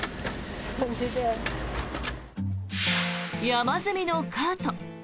山積みのカート。